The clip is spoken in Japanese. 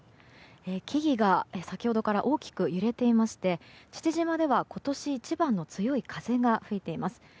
木々が先ほどから大きく揺れていまして父島では今年一番の強い風が吹いています。